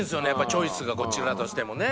チョイスがこちらとしてもね。